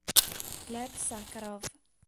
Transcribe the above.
Gleb Sakharov